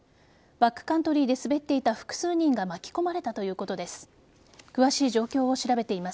バックカントリーで滑っていた複数人が巻き込まれたということです。